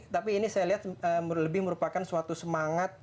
tapi ini saya lihat lebih merupakan suatu semangat